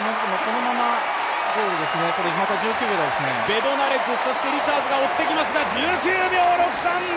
ベドナレク、そしてリチャーズが追ってきますが１９秒６３！